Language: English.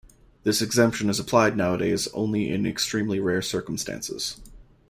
This exemption is applied nowadays, only in extremely rare circumstances.